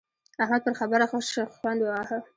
احمد پر خبره ښه شخوند وواهه.